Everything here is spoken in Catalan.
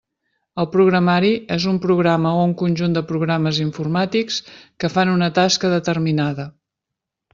El programari és un programa o un conjunt de programes informàtics que fan una tasca determinada.